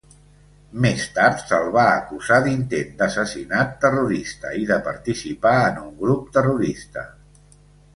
Més tard se'l va acusar d'intent d'assassinat terrorista i de participar en un grup terrorista.